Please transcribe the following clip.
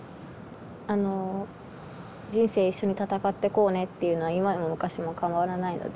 あの人生一緒に戦ってこうねっていうのは今も昔も変わらないので。